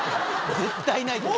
絶対ないと思う。